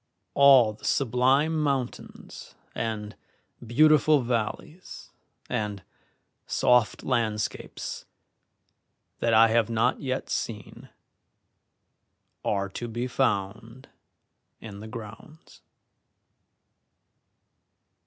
All the sublime mountains and beautiful valleys and soft landscapes that I have not yet seen are to be found in the grounds.